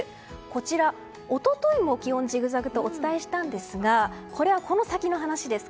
こちら、一昨日も気温ジグザグとお伝えしたんですがこれはこの先の話です。